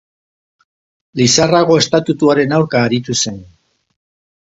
Lizarrako Estatutuaren aurka aritu zen.